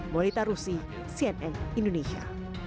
molita rusi cnn indonesia